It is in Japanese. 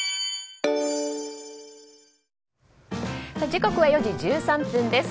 時刻は４時１３分です。